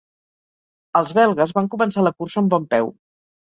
Els belgues van començar la cursa amb bon peu.